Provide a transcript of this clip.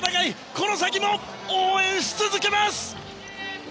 この先も応援し続けます！